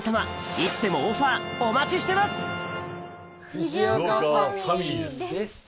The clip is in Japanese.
いつでも藤岡ファミリーです。